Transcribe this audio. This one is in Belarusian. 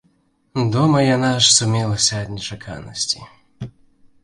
Дома яна аж сумелася ад нечаканасці.